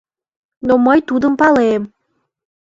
Но мый тудым палем!